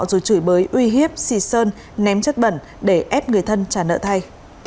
rồi chửi bới uy hiếp xì sơn ném chất bẩn để ép người thân trả nợ thay